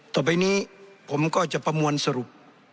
ต่อไปนี้ผมก็จะประมวลสรุป